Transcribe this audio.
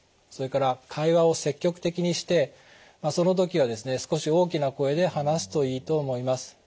それから会話を積極的にしてその時はですね少し大きな声で話すといいと思います。